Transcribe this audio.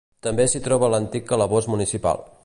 També s'hi troba l'antic calabós municipal.